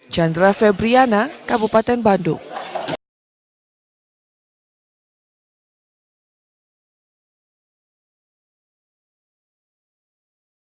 jandera febriana kabupaten bandung